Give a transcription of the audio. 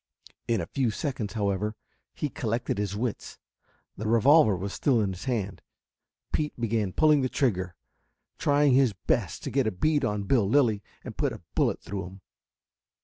In a few seconds, however, he collected his wits. The revolver was still in his hand. Pete began pulling the trigger, trying his best to get a bead on Bill Lilly and put a bullet through him.